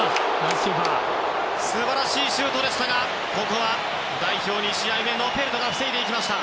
素晴らしいシュートでしたがここは代表２試合目のノペルトが防いでいきました。